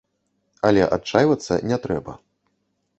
Але адчайвацца не трэба.